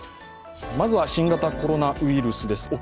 まずは、新型コロナウイルスです。